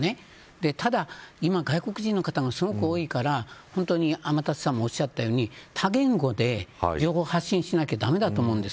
ただ外国人の方がすごく多いので天達さんもおっしゃったように多言語で情報を発信しなきゃ駄目だと思います。